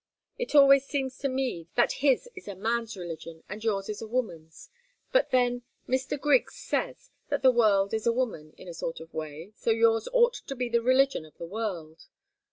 It always seems to me that his is a man's religion, and yours is a woman's. But then Mr. Griggs says the world is a woman, in a sort of way, so yours ought to be the religion of the world.